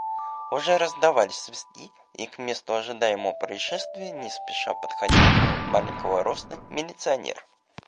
Уже раздавались свистки и к месту ожидаемого происшествия не спеша подходил маленького роста милиционер.